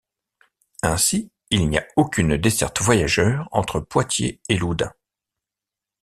Ainsi, il n’y a aucune desserte voyageur entre Poitiers et Loudun.